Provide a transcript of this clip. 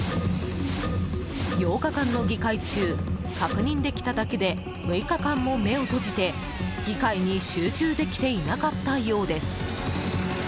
８日間の議会中確認できただけで６日間も目を閉じて、議会に集中できていなかったようです。